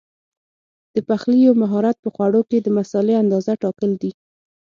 د پخلي یو مهارت په خوړو کې د مسالې اندازه ټاکل دي.